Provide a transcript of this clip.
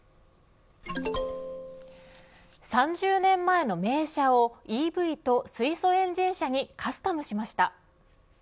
３０年前の名車をＥＶと水素エンジン車にカスタムしました。